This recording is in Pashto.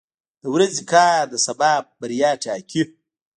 • د ورځې کار د سبا بریا ټاکي.